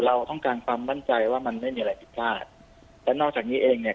เราต้องการความมั่นใจว่ามันไม่มีอะไรผิดพลาดและนอกจากนี้เองเนี่ย